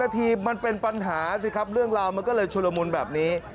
นาทีมันเป็นปัญหาสิครับเรื่องราวมันก็เลยชุลมุนแบบนี้